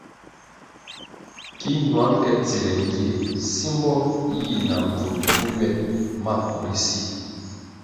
Ki ñwang ke tsire ngie simbo yih na mbvul vu ywe maku ri si.